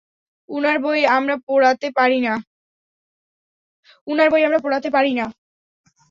উনার বই আমরা পোড়াতে পারি না!